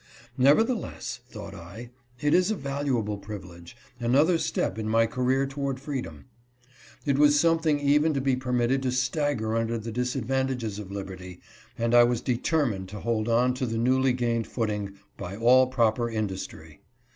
" Nevertheless," thought I, " it is a valuable privilege — another step in my career toward freedom." It was something even to be permitted to stagger under the disadvantages of liberty, and I was determined to hold on A FATAL MISTAKE. 237 to the newly gained footing by all proper industry.